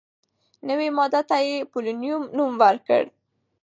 نوې ماده ته یې «پولونیم» نوم ورکړ.